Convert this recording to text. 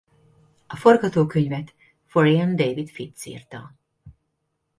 A forgatókönyvet Florian David Fitz írta.